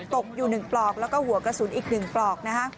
ตกอยู่๑ปลอกแล้วก็หัวกระสุนอีก๑ปลอกนะฮะ